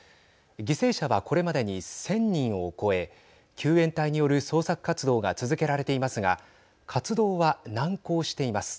犠牲者はこれまでに１０００人を超え救援隊による捜索活動が続けられていますが活動は難航しています。